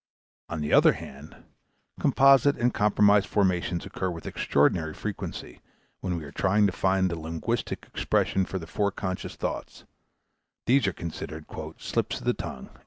On the other hand, composite and compromise formations occur with extraordinary frequency when we are trying to find the linguistic expression for foreconscious thoughts; these are considered "slips of the tongue."